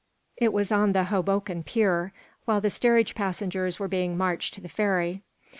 It was on the Hoboken pier, while the steerage passengers were being marched to the ferry.